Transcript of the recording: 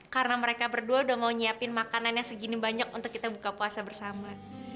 karena mereka berdua udah mau nyiapin makanan yang segini banyak untuk kita buka puasa bersama